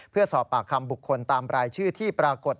เพื่อสอบปากคำบุคคลตามรายชื่อที่ปรากฏ